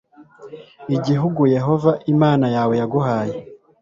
igihugu yehova imana yawe yaguhaye